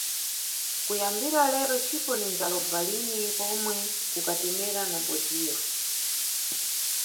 Kuyambira lero cipo ndinidzalova lini pomwe ku katemera na mʼbodziyo.